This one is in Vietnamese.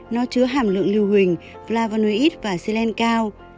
nó chứa hàm lượng lưu hình flavonoid và xylen cao